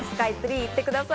行ってください。